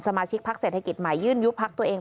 สมาชิกพักเศรษฐกิจใหม่ยื่นยุบพักตัวเอง